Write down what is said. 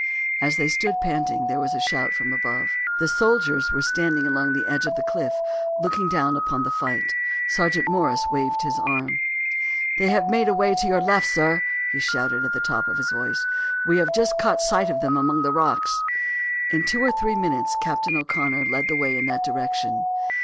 As they stood panting there was a shout from above. The soldiers were standing along the edge of the cliff, looking down upon the fight. Sergeant Morris waved his arm. "They have made away to your left, sir!" he shouted at the top of his voice. "We have just caught sight of them among the rocks!" In two or three minutes Captain O'Connor led the way in that direction.